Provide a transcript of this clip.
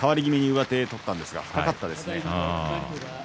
上手を取ったんですが深かったですね。